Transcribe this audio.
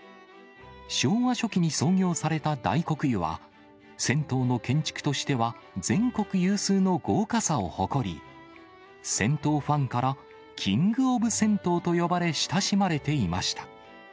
昭和初期に創業された大黒湯は、銭湯の建築としては全国有数の豪華さを誇り、銭湯ファンから、キングオブ銭湯と呼ばれ親しまれていました。